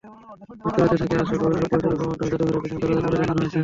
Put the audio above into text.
যুক্তরাজ্য থেকে আসা গবেষককে পরিচালকের মাধ্যমে জাদুঘরের পেছনের দরজা খুলে দেখানো হয়েছে।